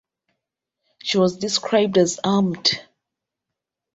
She was described as armed.